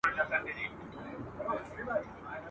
یو ښکاري کرۍ ورځ ښکار نه وو مېندلی ..